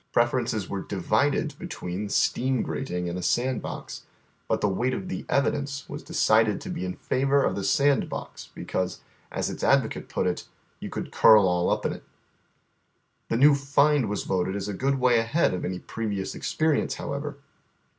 Preferences were divided between the steam grating and a sand box; but the weight of the evidence was decided to be in favor of the sand box, because, as its advocate put it, "you could curl all up in it," The new " find " was voted a good way ahead of any previous ex perience, however.